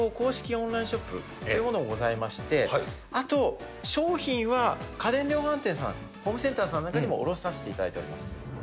オンラインショップというものもございまして、あと商品は家電量販店さん、ホームセンターさんなんかにも卸させていただいております。